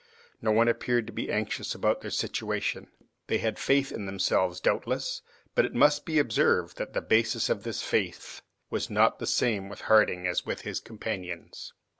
No one appeared to be anxious about their situation. They had faith in themselves, doubtless, but it must be observed that the basis of this faith was not the same with Harding as with his companions.